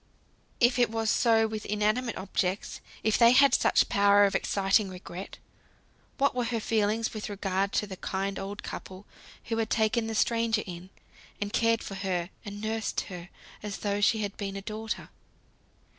If it was so with inanimate objects, if they had such power of exciting regret, what were her feelings with regard to the kind old couple, who had taken the stranger in, and cared for her, and nursed her, as though she had been a daughter?